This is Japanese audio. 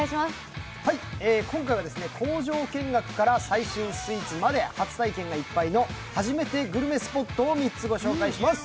今回は工場見学から最新スイーツまで初体験がいっぱいのはじめてグルメＳＰＯＴを３つご紹介します。